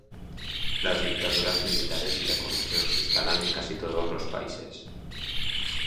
Las dictaduras militares y la corrupción se instalan en casi todos los países.